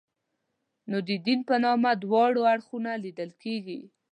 نو د دین په نامه دواړه اړخونه لیدل کېږي.